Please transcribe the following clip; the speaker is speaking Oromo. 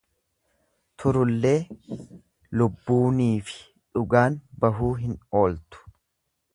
Turullee, lubbuuniifi dhugaan bahuu hin ooltu.